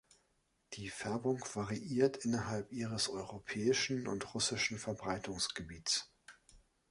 Die Färbung variiert innerhalb ihres europäischen und russischen Verbreitungsgebiets.